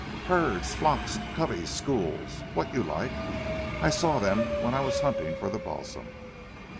"Herds! Flocks! Coveys! Schools! What you like. I saw them when I was hunting for the balsam."